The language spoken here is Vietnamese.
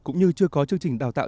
cũng như chưa có chương trình đào tạo